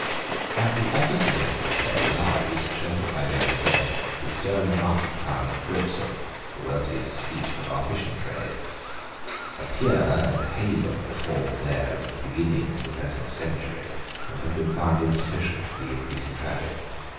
At the opposite end of the bay lies, sheltered by Berry head, the stirring market town of Brixham, the wealthiest seat of our fishing trade. A pier and a haven were formed there at the beginning of the present century, but have been found insufficient for the increasing traffic.